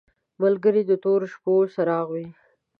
ملګری د تورو شپو څراغ وي.